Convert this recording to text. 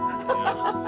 ハハハハ。